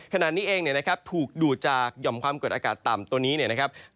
ขนาดนี้เองนะครับถูกดูดจากยอมความเกิดอากาศต่ำตัวนี้นะครับ